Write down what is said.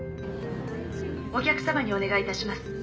お客さまにお願いいたします。